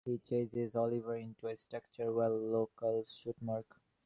He chases Oliver into a structure, where locals shoot Mark.